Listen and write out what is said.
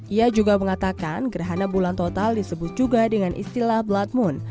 ia juga mengatakan gerhana bulan total disebut juga dengan istilah blood moon